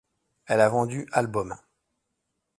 Elle a vendu albums.